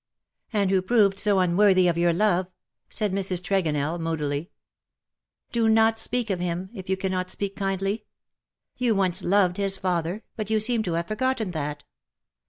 ^^'' And who proved so unworthy of your love/^ said Mrs. Tregonellj moodily. ^^Do not speak of him^ if you cannot speak kindly. You once loved his father,, but you seem to have forgotten that.